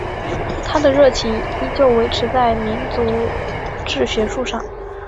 他的热情依旧维持在民族志学术上。